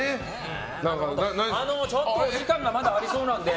ちょっとお時間がまだありそうなので。